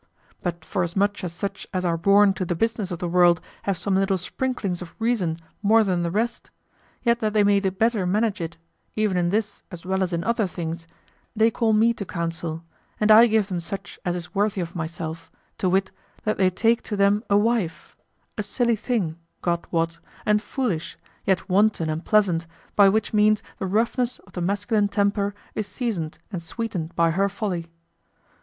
But forasmuch as such as are born to the business of the world have some little sprinklings of reason more than the rest, yet that they may the better manage it, even in this as well as in other things, they call me to counsel; and I give them such as is worthy of myself, to wit, that they take to them a wife a silly thing, God wot, and foolish, yet wanton and pleasant, by which means the roughness of the masculine temper is seasoned and sweetened by her folly.